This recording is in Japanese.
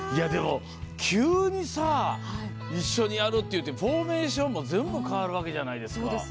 急に一緒にやるっていってフォーメーションも全部変わるわけじゃないですか。